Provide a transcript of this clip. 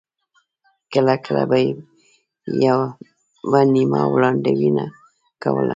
کله کله به یې یوه نیمه وړاندوینه کوله.